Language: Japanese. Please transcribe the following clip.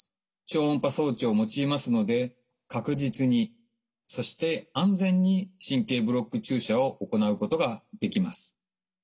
超音波装置を用いますので確実にそして安全に神経ブロック注射を行うことができます。